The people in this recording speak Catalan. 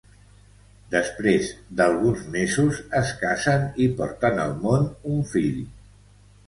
Després d'alguns mesos, es casen i porten al món un fill.